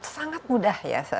sangat mudah ya